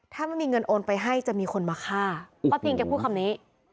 ถ้าไม่มีเงินโอนไปให้จะมีคนมาฆ่าป้าพิงแกพูดคำนี้